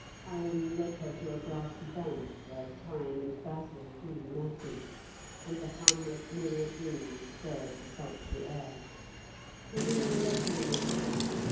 Alan led her to a grassy bank where thyme and basil grew matted, and the hum of myriad wings stirred the sultry air; Herminia let him lead her.